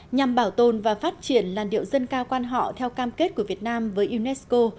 nhằm bảo tồn và phát triển làn điệu dân ca quan họ theo cam kết của việt nam với unesco